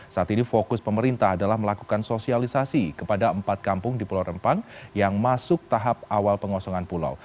saat ini fokus pemerintah adalah melakukan sosialisasi kepada empat kampung di pulau rempang yang masuk tahap awal pengosongan pulau